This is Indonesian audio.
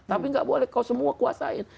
tapi gak boleh kau semua kuasain